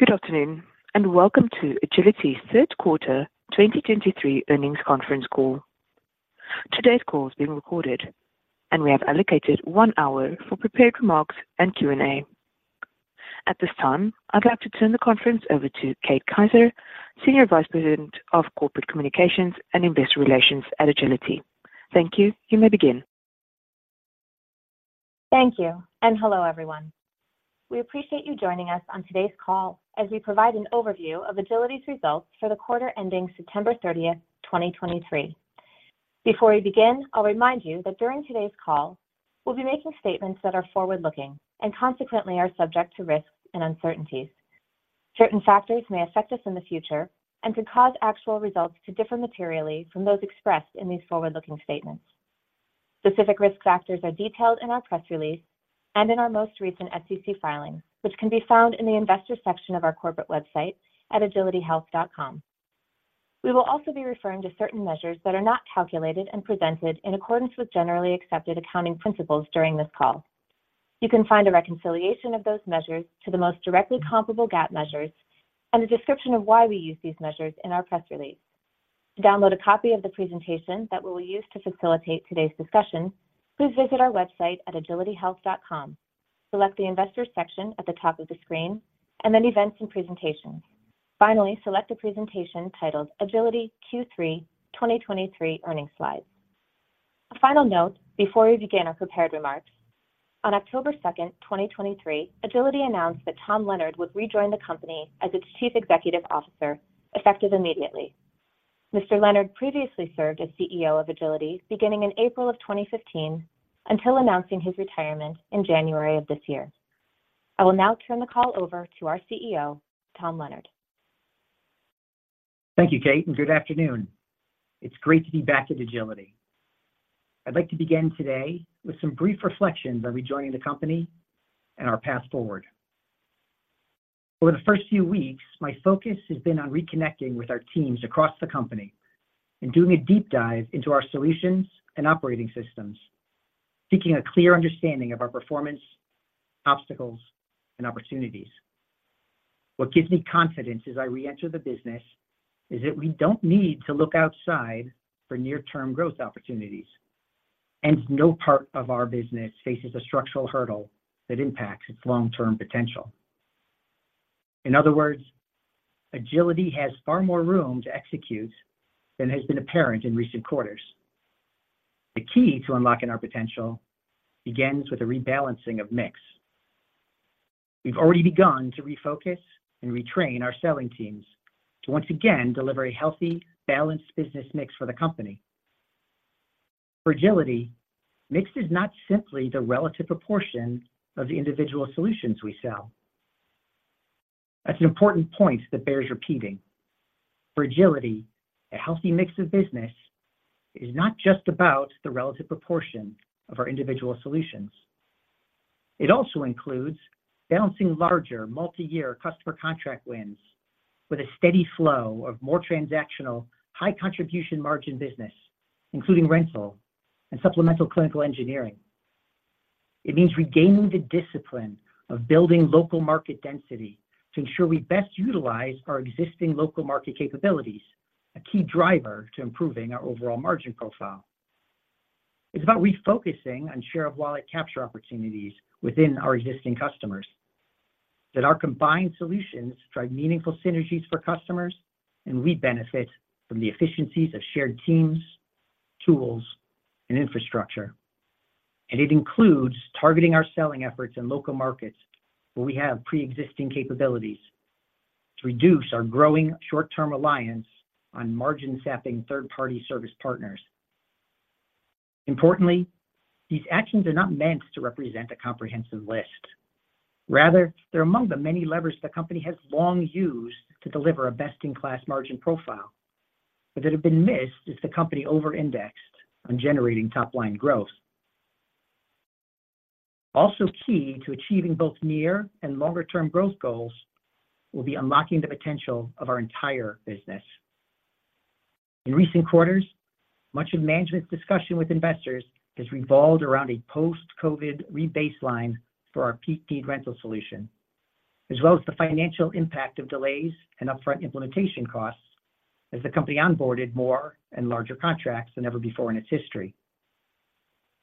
Good afternoon, and welcome to Agiliti's Third Quarter 2023 Earnings Conference Call. Today's call is being recorded, and we have allocated one hour for prepared remarks and Q&A. At this time, I'd like to turn the conference over to Kate Kaiser, Senior Vice President of Corporate Communications and Investor Relations at Agiliti. Thank you. You may begin. Thank you, and hello, everyone. We appreciate you joining us on today's call as we provide an overview of Agiliti's results for the quarter ending September 30, 2023. Before we begin, I'll remind you that during today's call, we'll be making statements that are forward-looking and consequently are subject to risks and uncertainties. Certain factors may affect us in the future and could cause actual results to differ materially from those expressed in these forward-looking statements. Specific risk factors are detailed in our press release and in our most recent SEC filings, which can be found in the Investors section of our corporate website at agilitihealth.com. We will also be referring to certain measures that are not calculated and presented in accordance with generally accepted accounting principles during this call. You can find a reconciliation of those measures to the most directly comparable GAAP measures and a description of why we use these measures in our press release. To download a copy of the presentation that we will use to facilitate today's discussion, please visit our website at agilitihealth.com. Select the Investors section at the top of the screen and then Events and Presentations. Finally, select the presentation titled, "Agiliti Q3 2023 Earnings Slides." A final note before we begin our prepared remarks. On October 2, 2023, Agiliti announced that Tom Leonard would rejoin the company as its Chief Executive Officer, effective immediately. Mr. Leonard previously served as CEO of Agiliti, beginning in April 2015 until announcing his retirement in January of this year. I will now turn the call over to our CEO, Tom Leonard. Thank you, Kate, and good afternoon. It's great to be back at Agiliti. I'd like to begin today with some brief reflections on rejoining the company and our path forward. Over the first few weeks, my focus has been on reconnecting with our teams across the company and doing a deep dive into our solutions and operating systems, seeking a clear understanding of our performance, obstacles, and opportunities. What gives me confidence as I reenter the business is that we don't need to look outside for near-term growth opportunities, and no part of our business faces a structural hurdle that impacts its long-term potential. In other words, Agiliti has far more room to execute than has been apparent in recent quarters. The key to unlocking our potential begins with a rebalancing of mix. We've already begun to refocus and retrain our selling teams to once again deliver a healthy, balanced business mix for the company. For Agiliti, mix is not simply the relative proportion of the individual solutions we sell. That's an important point that bears repeating. For Agiliti, a healthy mix of business is not just about the relative proportion of our individual solutions. It also includes balancing larger, multi-year customer contract wins with a steady flow of more transactional, high contribution margin business, including rental and supplemental clinical engineering. It means regaining the discipline of building local market density to ensure we best utilize our existing local market capabilities, a key driver to improving our overall margin profile. It's about refocusing on share-of-wallet capture opportunities within our existing customers. That our combined solutions drive meaningful synergies for customers, and we benefit from the efficiencies of shared teams, tools, and infrastructure. It includes targeting our selling efforts in local markets where we have preexisting capabilities to reduce our growing short-term reliance on margin-sapping third-party service partners. Importantly, these actions are not meant to represent a comprehensive list. Rather, they're among the many levers the company has long used to deliver a best-in-class margin profile, but that have been missed as the company over-indexed on generating top-line growth. Also, key to achieving both near and longer-term growth goals will be unlocking the potential of our entire business. In recent quarters, much of management's discussion with investors has revolved around a post-COVID rebaseline for our Peak Need Rental solution, as well as the financial impact of delays and upfront implementation costs as the company onboarded more and larger contracts than ever before in its history.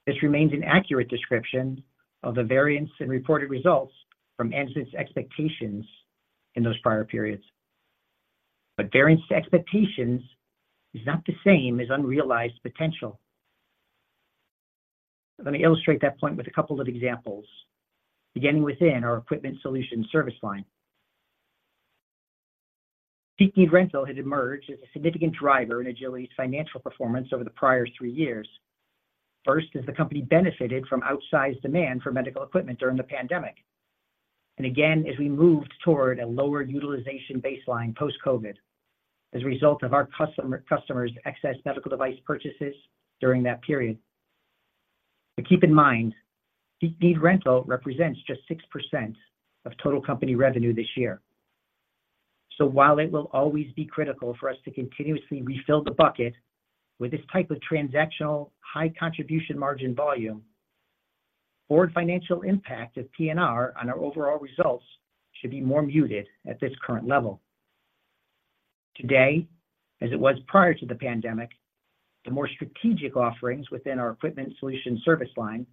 This remains an accurate description of the variance in reported results from management's expectations in those prior periods. But variance to expectations is not the same as unrealized potential. Let me illustrate that point with a couple of examples, beginning within our Equipment Solutions service line. Peak Need Rental had emerged as a significant driver in Agiliti's financial performance over the prior three years. First, as the company benefited from outsized demand for medical equipment during the pandemic, and again, as we moved toward a lower utilization baseline post-COVID as a result of our customers' excess medical device purchases during that period. But keep in mind, Peak Need Rental represents just 6% of total company revenue this year. So while it will always be critical for us to continuously refill the bucket with this type of transactional, high contribution margin volume... The forward financial impact of PNR on our overall results should be more muted at this current level. Today, as it was prior to the pandemic, the more strategic offerings within our equipment solution service line,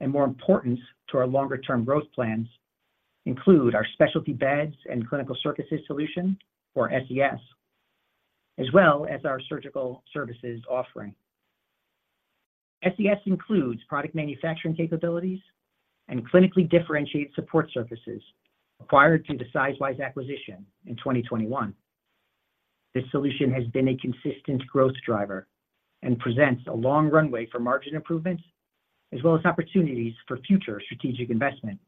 and more important to our longer-term growth plans, include our Specialty Beds and Clinical Surfaces solution, or SES, as well as our surgical services offering. SES includes product manufacturing capabilities and clinically differentiated support surfaces acquired through the Sizewise acquisition in 2021. This solution has been a consistent growth driver and presents a long runway for margin improvements, as well as opportunities for future strategic investment.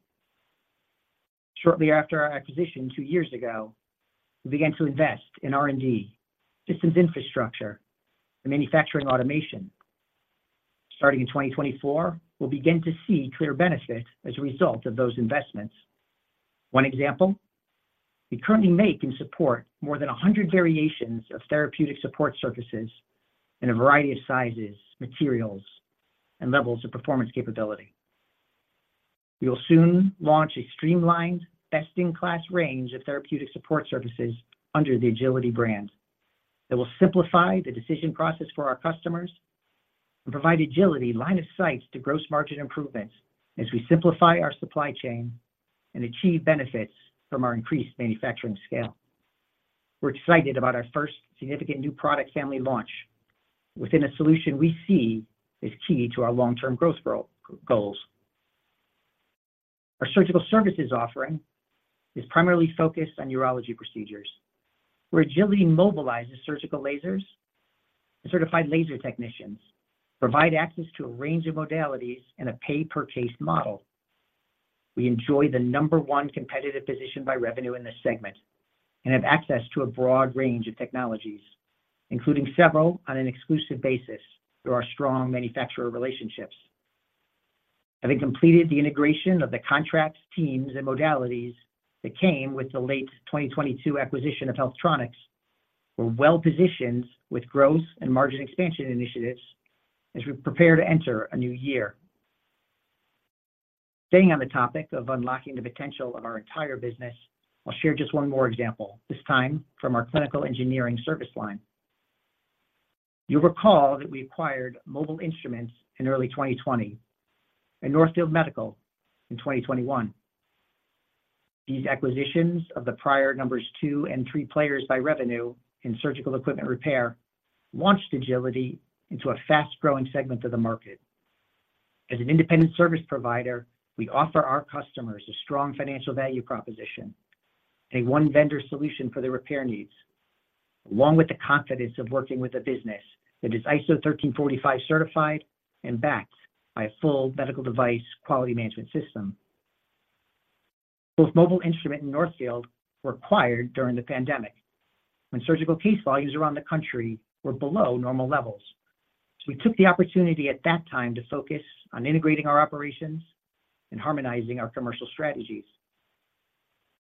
Shortly after our acquisition two years ago, we began to invest in R&D, systems infrastructure, and manufacturing automation. Starting in 2024, we'll begin to see clear benefits as a result of those investments. One example, we currently make and support more than 100 variations of therapeutic support surfaces in a variety of sizes, materials, and levels of performance capability. We will soon launch a streamlined, best-in-class range of therapeutic support services under the Agiliti brand. It will simplify the decision process for our customers and provide Agiliti line of sight to gross margin improvements as we simplify our supply chain and achieve benefits from our increased manufacturing scale. We're excited about our first significant new product family launch within a solution we see is key to our long-term growth goal goals. Our surgical services offering is primarily focused on urology procedures, where Agiliti mobilizes surgical lasers and certified laser technicians, provide access to a range of modalities in a pay-per-case model. We enjoy the number one competitive position by revenue in this segment and have access to a broad range of technologies, including several on an exclusive basis through our strong manufacturer relationships. Having completed the integration of the contracts, teams, and modalities that came with the late 2022 acquisition of HealthTronics, we're well-positioned with growth and margin expansion initiatives as we prepare to enter a new year. Staying on the topic of unlocking the potential of our entire business, I'll share just one more example, this time from our clinical engineering service line. You'll recall that we acquired Mobile Instruments in early 2020 and Northfield Medical in 2021. These acquisitions of the prior numbers 2 and 3 players by revenue in surgical equipment repair, launched Agiliti into a fast-growing segment of the market. As an independent service provider, we offer our customers a strong financial value proposition, a one-vendor solution for their repair needs, along with the confidence of working with a business that is ISO 13485 certified and backed by a full medical device quality management system. Both Mobile Instruments and Northfield Medical were acquired during the pandemic, when surgical case volumes around the country were below normal levels. So we took the opportunity at that time to focus on integrating our operations and harmonizing our commercial strategies.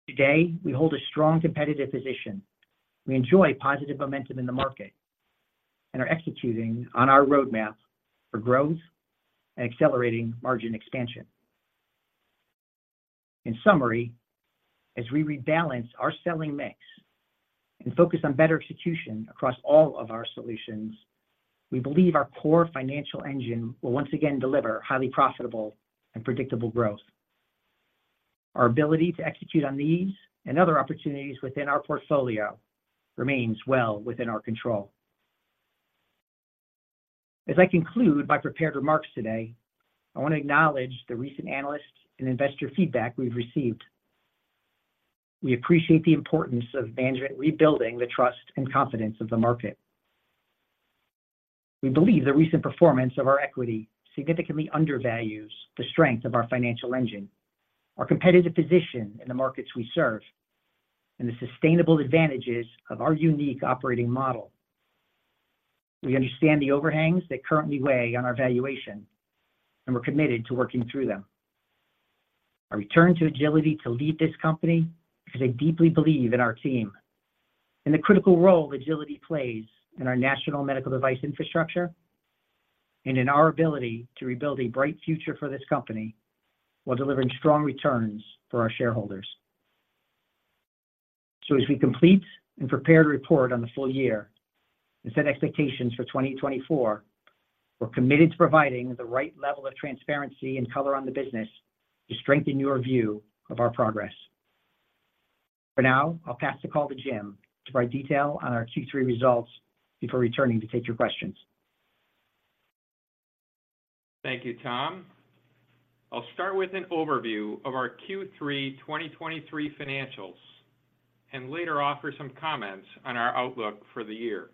Today, we hold a strong competitive position. We enjoy positive momentum in the market and are executing on our roadmap for growth and accelerating margin expansion. In summary, as we rebalance our selling mix and focus on better execution across all of our solutions, we believe our core financial engine will once again deliver highly profitable and predictable growth. Our ability to execute on these and other opportunities within our portfolio remains well within our control. As I conclude my prepared remarks today, I want to acknowledge the recent analyst and investor feedback we've received. We appreciate the importance of management rebuilding the trust and confidence of the market. We believe the recent performance of our equity significantly undervalues the strength of our financial engine, our competitive position in the markets we serve, and the sustainable advantages of our unique operating model. We understand the overhangs that currently weigh on our valuation, and we're committed to working through them. I returned to Agiliti to lead this company because I deeply believe in our team, and the critical role Agiliti plays in our national medical device infrastructure, and in our ability to rebuild a bright future for this company while delivering strong returns for our shareholders. So as we complete and prepare to report on the full year and set expectations for 2024, we're committed to providing the right level of transparency and color on the business to strengthen your view of our progress. For now, I'll pass the call to Jim to provide detail on our Q3 results before returning to take your questions. Thank you, Tom. I'll start with an overview of our Q3 2023 financials and later offer some comments on our outlook for the year.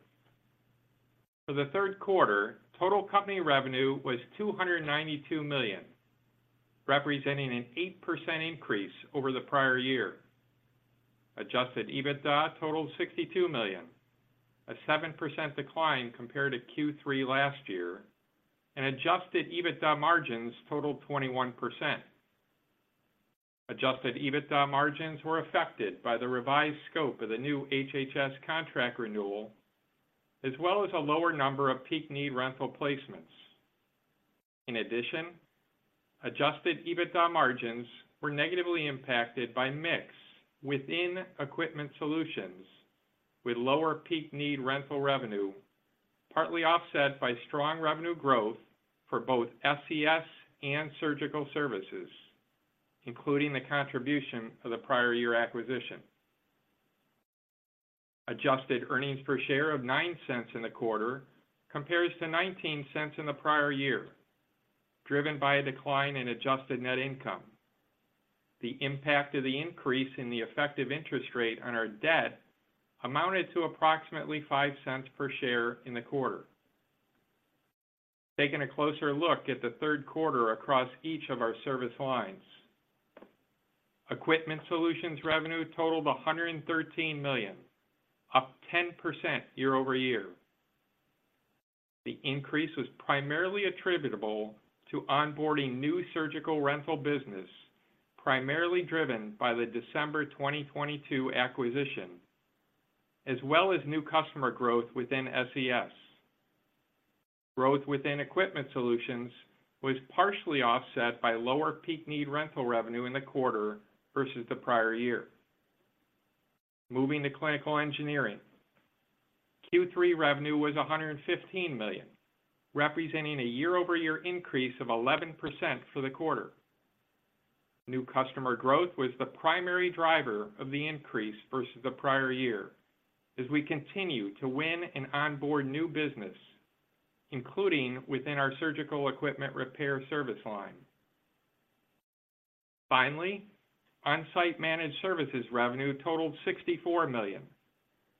For the third quarter, total company revenue was $292 million, representing an 8% increase over the prior year. Adjusted EBITDA totaled $62 million, a 7% decline compared to Q3 last year, and adjusted EBITDA margins totaled 21%. Adjusted EBITDA margins were affected by the revised scope of the new HHS contract renewal, as well as a lower number of Peak Need Rental placements. In addition, adjusted EBITDA margins were negatively impacted by mix within Equipment Solutions, with lower Peak Need Rental revenue, partly offset by strong revenue growth for both SES and surgical services, including the contribution of the prior year acquisition. Adjusted earnings per share of $0.09 in the quarter compares to $0.19 in the prior year, driven by a decline in adjusted net income. The impact of the increase in the effective interest rate on our debt amounted to approximately $0.05 per share in the quarter. Taking a closer look at the third quarter across each of our service lines. Equipment Solutions revenue totaled $113 million, up 10% year-over-year. The increase was primarily attributable to onboarding new surgical rental business, primarily driven by the December 2022 acquisition, as well as new customer growth within SES. Growth within Equipment Solutions was partially offset by lower Peak Need Rental revenue in the quarter versus the prior year. Moving to Clinical Engineering. Q3 revenue was $115 million, representing a year-over-year increase of 11% for the quarter. New customer growth was the primary driver of the increase versus the prior year, as we continue to win and onboard new business, including within our surgical equipment repair service line. Finally, Onsite Managed Services revenue totaled $64 million,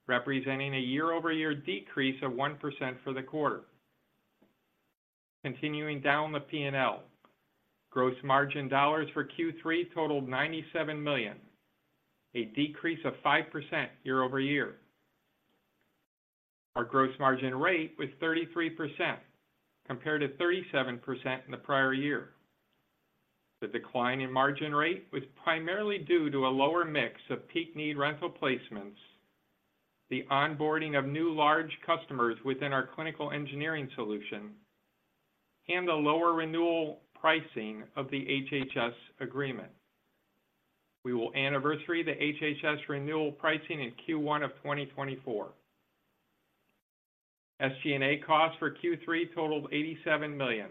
representing a year-over-year decrease of 1% for the quarter. Continuing down the P&L. Gross margin dollars for Q3 totaled $97 million, a decrease of 5% year-over-year. Our gross margin rate was 33%, compared to 37% in the prior year. The decline in margin rate was primarily due to a lower mix of Peak Need Rental placements, the onboarding of new large customers within our clinical engineering solution, and the lower renewal pricing of the HHS agreement. We will anniversary the HHS renewal pricing in Q1 of 2024. SG&A costs for Q3 totaled $87 million,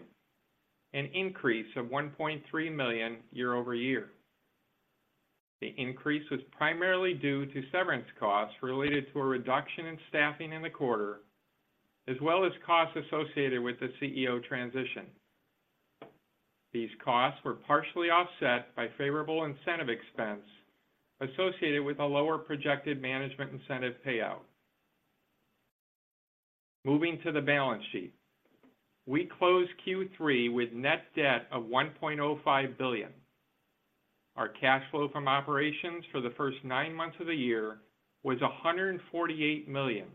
an increase of $1.3 million year-over-year. The increase was primarily due to severance costs related to a reduction in staffing in the quarter, as well as costs associated with the CEO transition. These costs were partially offset by favorable incentive expense associated with a lower projected management incentive payout. Moving to the balance sheet. We closed Q3 with net debt of $1.05 billion. Our cash flow from operations for the first nine months of the year was $148 million,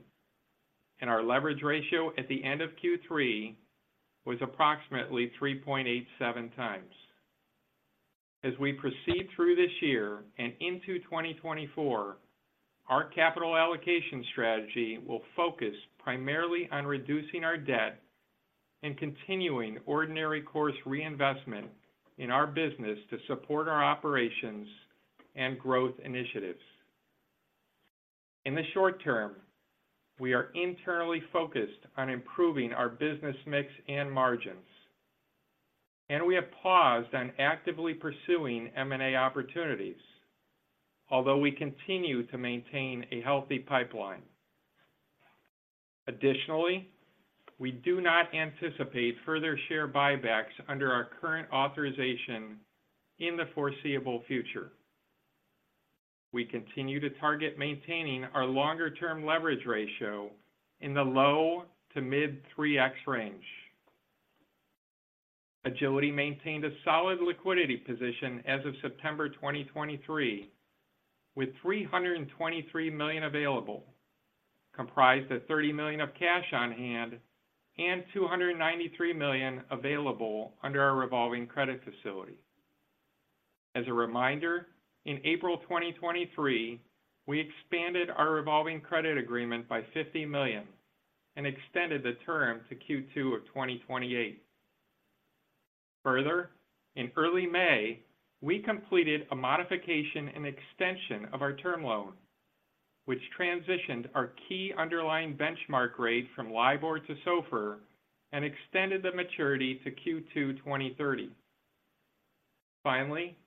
and our leverage ratio at the end of Q3 was approximately 3.87 times. As we proceed through this year and into 2024, our capital allocation strategy will focus primarily on reducing our debt and continuing ordinary course reinvestment in our business to support our operations and growth initiatives. In the short term, we are internally focused on improving our business mix and margins, and we have paused on actively pursuing M&A opportunities, although we continue to maintain a healthy pipeline. Additionally, we do not anticipate further share buybacks under our current authorization in the foreseeable future. We continue to target maintaining our longer-term leverage ratio in the low- to mid-3x range. Agiliti maintained a solid liquidity position as of September 2023, with $323 million available, comprised of $30 million of cash on hand and $293 million available under our revolving credit facility. As a reminder, in April 2023, we expanded our revolving credit agreement by $50 million and extended the term to Q2 of 2028. Further, in early May, we completed a modification and extension of our term loan, which transitioned our key underlying benchmark rate from LIBOR to SOFR and extended the maturity to Q2 2030. Finally,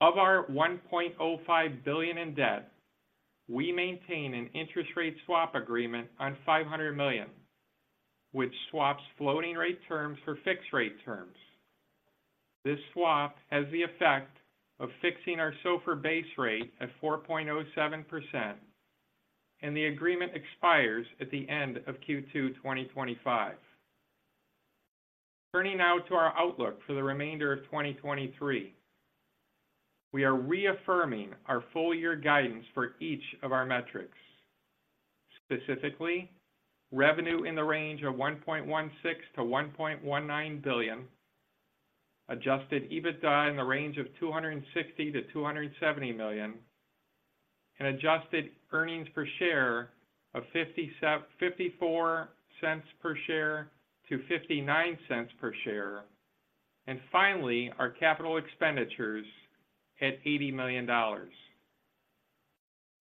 of our $1.05 billion in debt, we maintain an interest rate swap agreement on $500 million, which swaps floating rate terms for fixed rate terms. This swap has the effect of fixing our SOFR base rate at 4.07%, and the agreement expires at the end of Q2 2025. Turning now to our outlook for the remainder of 2023. We are reaffirming our full year guidance for each of our metrics. Specifically, revenue in the range of $1.16-$1.19 billion, Adjusted EBITDA in the range of $260-$270 million, and adjusted earnings per share of $0.54-$0.59 per share. And finally, our capital expenditures at $80 million.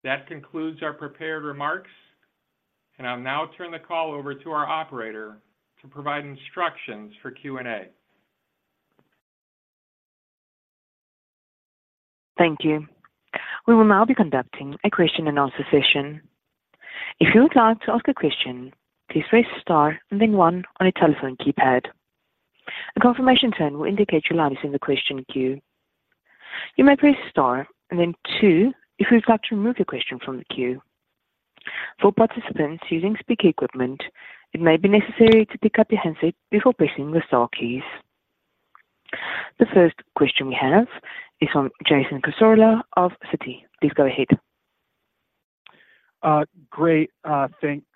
That concludes our prepared remarks, and I'll now turn the call over to our operator to provide instructions for Q&A. Thank you. We will now be conducting a question and answer session. If you would like to ask a question, please press star and then one on your telephone keypad. A confirmation tone will indicate your line is in the question queue. You may press Star and then Two if you'd like to remove your question from the queue. For participants using speaker equipment, it may be necessary to pick up your handset before pressing the star keys. The first question we have is from Jason Cassorla of Citi. Please go ahead. Great. Thanks.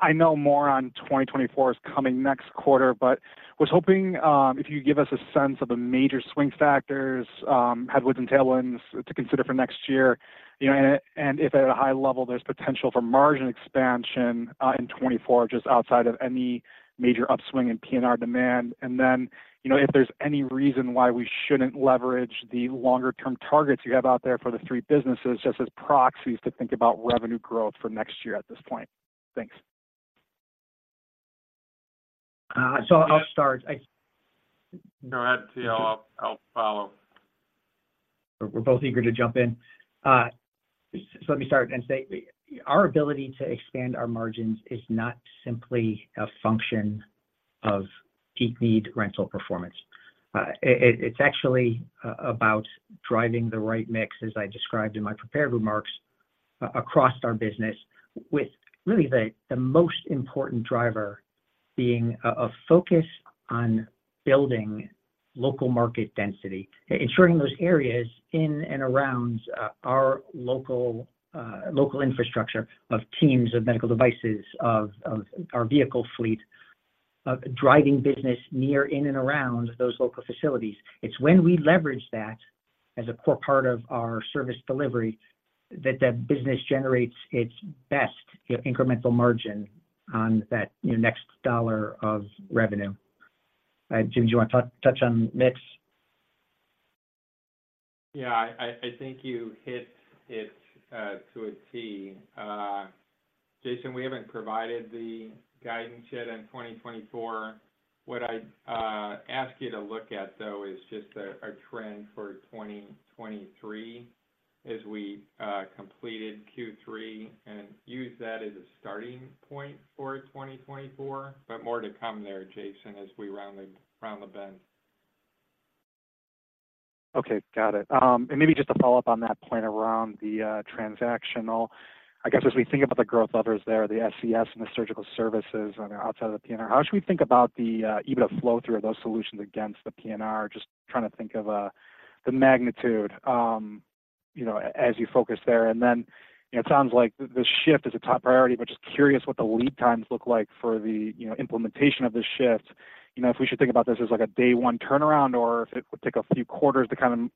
I know more on 2024 is coming next quarter, but was hoping if you give us a sense of the major swing factors, headwinds and tailwinds to consider for next year, and if at a high level, there's potential for margin expansion in 2024, just outside of any major upswing in PNR demand. And then, if there's any reason why we shouldn't leverage the longer term targets you have out there for the three businesses, just as proxies to think about revenue growth for next year at this point. Thanks. So, I'll start. No, go ahead, Tom. I'll follow. We're both eager to jump in. So let me start and say, our ability to expand our margins is not simply a function of Peak Need Rental performance. It's actually about driving the right mix, as I described in my prepared remarks, across our business, with really the most important driver being a focus on building local market density. Ensuring those areas in and around our local infrastructure of teams, of medical devices, of our vehicle fleet, of driving business near in and around those local facilities. It's when we leverage that as a core part of our service delivery, that the business generates its best incremental margin on that, next dollar of revenue. Jim, do you want to touch on the mix? Yeah, I, I think you hit it to a T. Jason, we haven't provided the guidance yet on 2024. What I'd ask you to look at, though, is just a trend for 2023 as we completed Q3, and use that as a starting point for 2024. But more to come there, Jason, as we round the bend. Okay, got it. And maybe just to follow up on that point around the transactional. I guess, as we think about the growth levers there, the SES and the surgical services on the outside of the PNR, how should we think about the EBITDA flow through of those solutions against the PNR? Just trying to think of the magnitude, as you focus there. And then, it sounds like the shift is a top priority, but just curious what the lead times look like for the, implementation of this shift. If we should think about this as like a day one turnaround, or if it would take a few quarters to kind of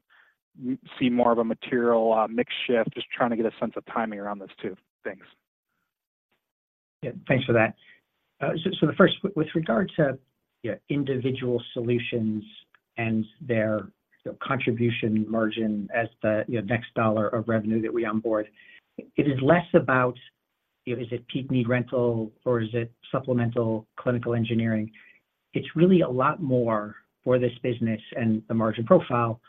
see more of a material mix shift, just trying to get a sense of timing around this, too. Thanks. Yeah. Thanks for that. So the first, with regard to individual solutions and their contribution margin as the, next dollar of revenue that we onboard, it is less about, is it Peak Need Rental or is it supplemental clinical engineering? It's really a lot more for this business and the margin profile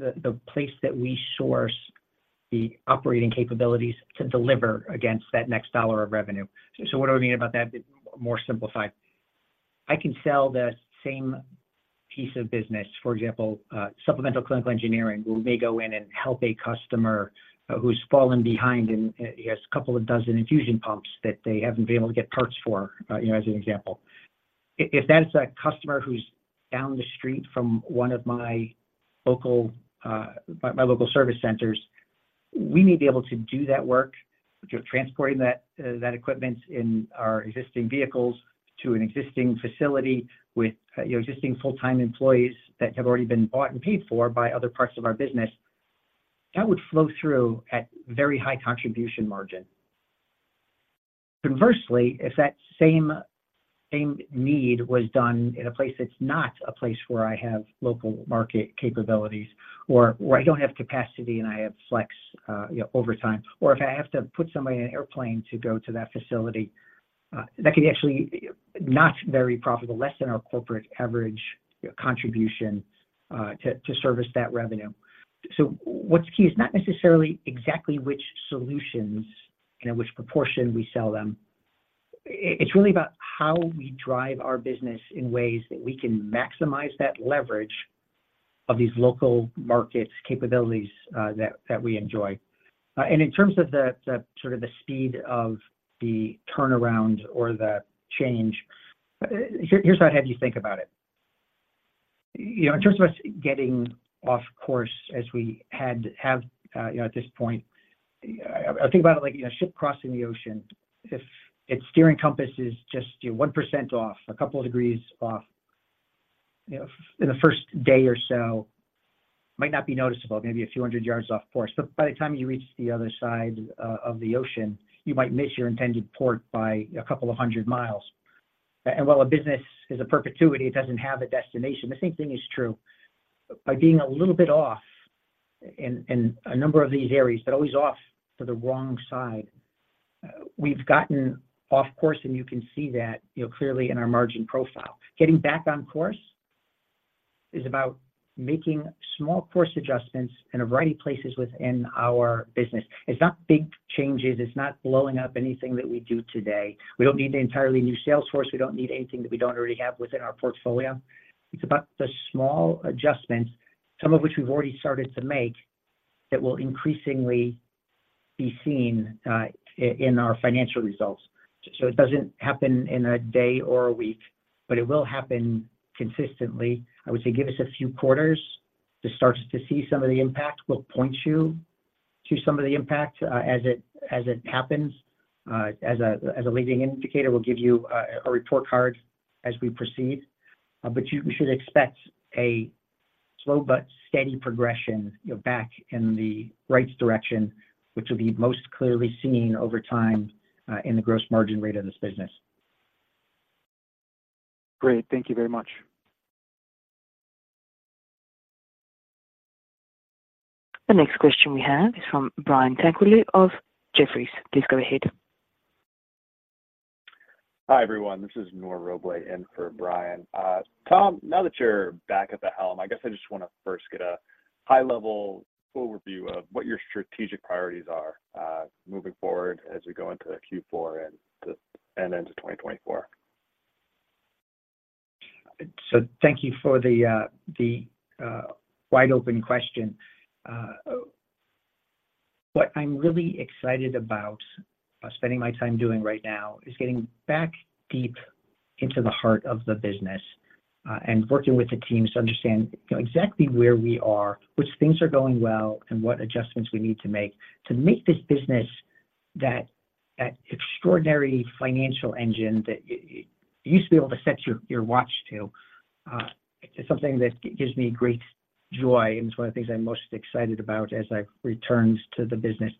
around the place that we source the operating capabilities to deliver against that next dollar of revenue. So what do I mean about that, more simplified? I can sell the same piece of business, for example, supplemental clinical engineering, where we may go in and help a customer who's fallen behind and he has a couple of dozen infusion pumps that they haven't been able to get parts for, as an example. If that's a customer who's down the street from one of my local service centers, we need to be able to do that work, transporting that equipment in our existing vehicles to an existing facility with existing full-time employees that have already been bought and paid for by other parts of our business. That would flow through at very high contribution margin. Conversely, if that same need was done in a place that's not a place where I have local market capabilities or where I don't have capacity and I have flex, overtime, or if I have to put somebody in an airplane to go to that facility, that could be actually not very profitable, less than our corporate average contribution to service that revenue. So what's key is not necessarily exactly which solutions and at which proportion we sell them. It's really about how we drive our business in ways that we can maximize that leverage of these local market capabilities that we enjoy. And in terms of the sort of the speed of the turnaround or the change, here's how I have you think about it. In terms of us getting off course as we had, at this point, yeah, I think about it like, a ship crossing the ocean. If its steering compass is just, 1% off, a couple of degrees off, in the first day or so, might not be noticeable, maybe a few hundred yards off course, but by the time you reach the other side of the ocean, you might miss your intended port by a couple of hundred miles. And while a business is a perpetuity, it doesn't have a destination. The same thing is true. By being a little bit off in a number of these areas, but always off to the wrong side, we've gotten off course, and you can see that, clearly in our margin profile. Getting back on course is about making small course adjustments in a variety of places within our business. It's not big changes, it's not blowing up anything that we do today. We don't need an entirely new sales force. We don't need anything that we don't already have within our portfolio. It's about the small adjustments, some of which we've already started to make, that will increasingly be seen in our financial results. So it doesn't happen in a day or a week, but it will happen consistently. I would say, give us a few quarters to start to see some of the impact. We'll point you to some of the impact, as it happens. As a leading indicator, we'll give you a report card as we proceed. But you should expect a slow but steady progression, back in the right direction, which will be most clearly seen over time in the gross margin rate of this business. Great. Thank you very much. The next question we have is from Brian Tanquary of Jefferies. Please go ahead. Hi, everyone. This is Nur Roble in for Brian. Tom, now that you're back at the helm, I guess I just wanna first get a high-level overview of what your strategic priorities are, moving forward as we go into Q4 and into 2024. So thank you for the wide open question. What I'm really excited about spending my time doing right now is getting back deep into the heart of the business and working with the teams to understand, exactly where we are, which things are going well, and what adjustments we need to make, to make this business that extraordinary financial engine that you used to be able to set your watch to. It's something that gives me great joy, and it's one of the things I'm most excited about as I've returned to the business.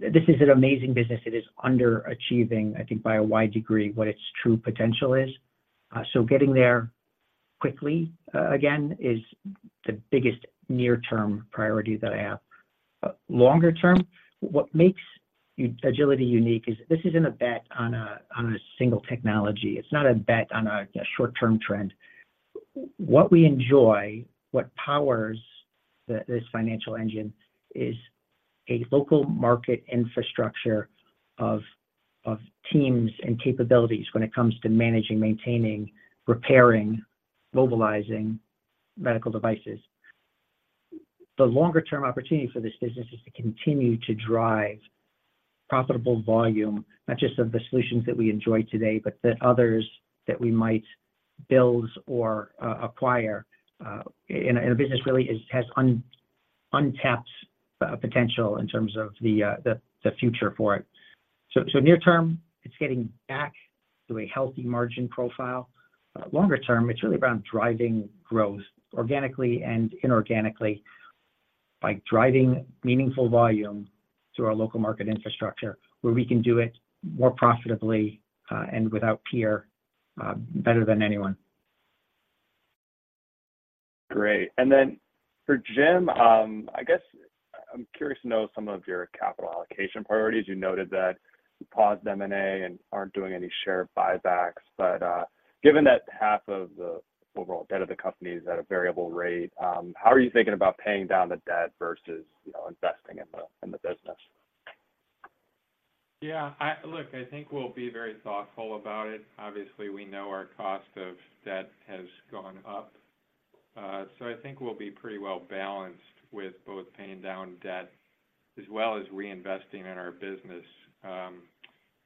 This is an amazing business. It is underachieving, I think, by a wide degree, what its true potential is. So getting there quickly, again, is the biggest near-term priority that I have. Longer term, what makes Agiliti unique is this isn't a bet on a single technology. It's not a bet on a short-term trend. What we enjoy, what powers this financial engine is a local market infrastructure of teams and capabilities when it comes to managing, maintaining, repairing, mobilizing medical devices. The longer term opportunity for this business is to continue to drive profitable volume, not just of the solutions that we enjoy today, but the others that we might build or acquire. And the business really is, has untapped potential in terms of the future for it. So near term, it's getting back to a healthy margin profile. Longer term, it's really around driving growth organically and inorganically by driving meaningful volume through our local market infrastructure, where we can do it more profitably, and without peer, better than anyone. Great. And then for Jim, I guess I'm curious to know some of your capital allocation priorities. You noted that you paused M&A and aren't doing any share buybacks, but, given that half of the overall debt of the company is at a variable rate, how are you thinking about paying down the debt versus, investing in the business? Yeah, look, I think we'll be very thoughtful about it. Obviously, we know our cost of debt has gone up. So I think we'll be pretty well balanced with both paying down debt as well as reinvesting in our business,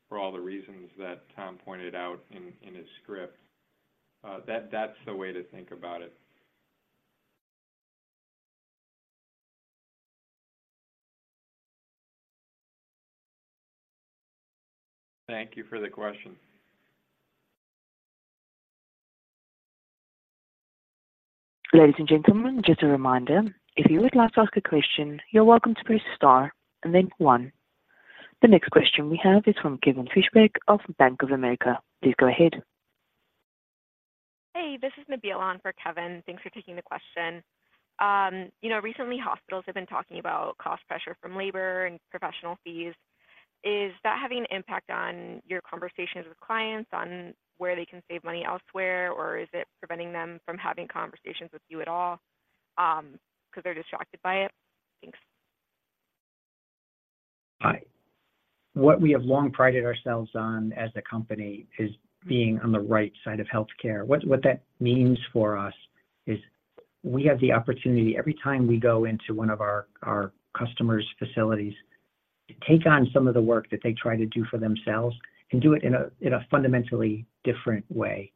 for all the reasons that Tom pointed out in his script. That's the way to think about it. Thank you for the question. Ladies and gentlemen, just a reminder, if you would like to ask a question, you're welcome to press star and then one. The next question we have is from Kevin Fischbeck of Bank of America. Please go ahead. Hey, this is Nabila on for Kevin. Thanks for taking the question. Recently, hospitals have been talking about cost pressure from labor and professional fees. Is that having an impact on your conversations with clients on where they can save money elsewhere, or is it preventing them from having conversations with you at all, because they're just shocked by it? Thanks. Hi. What we have long prided ourselves on as a company is being on the right side of healthcare. What that means for us is we have the opportunity, every time we go into one of our customers' facilities, take on some of the work that they try to do for themselves and do it in a fundamentally different way.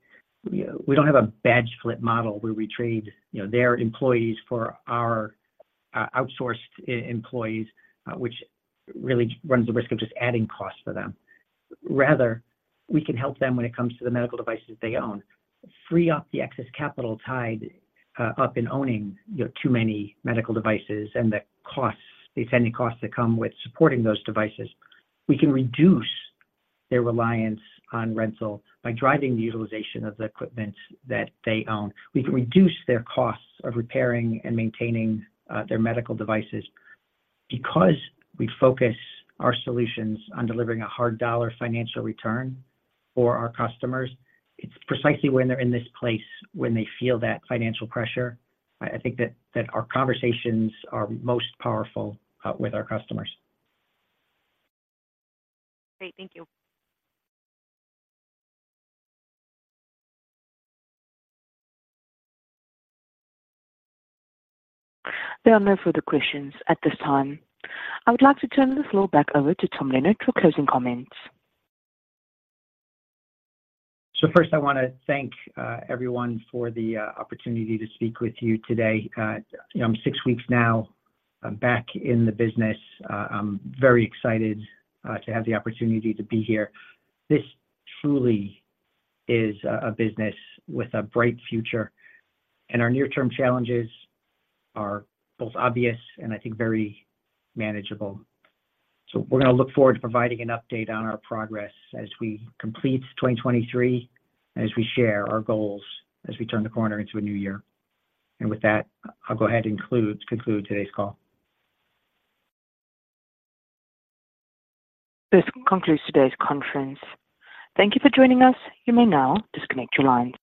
We don't have a badge flip model where we trade, their employees for our outsourced employees, which really runs the risk of just adding costs for them. Rather, we can help them, when it comes to the medical devices they own, free up the excess capital tied up in owning, too many medical devices and the costs, the attending costs that come with supporting those devices. We can reduce their reliance on rental by driving the utilization of the equipment that they own. We can reduce their costs of repairing and maintaining their medical devices. Because we focus our solutions on delivering a hard dollar financial return for our customers, it's precisely when they're in this place, when they feel that financial pressure, I think that our conversations are most powerful with our customers. Great. Thank you. There are no further questions at this time. I would like to turn the floor back over to Tom Leonard for closing comments. So first, I wanna thank everyone for the opportunity to speak with you today. I'm six weeks now. I'm back in the business. I'm very excited to have the opportunity to be here. This truly is a business with a bright future, and our near-term challenges are both obvious and I think very manageable. So we're gonna look forward to providing an update on our progress as we complete 2023 and as we share our goals as we turn the corner into a new year. And with that, I'll go ahead and conclude today's call. This concludes today's conference. Thank you for joining us. You may now disconnect your lines.